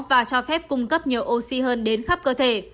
và cho phép cung cấp nhiều oxy hơn đến khắp cơ thể